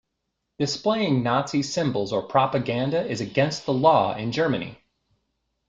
Displaying Nazi symbols or propaganda is against the law in Germany.